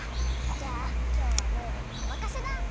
じゃあきょうはムールにおまかせだ！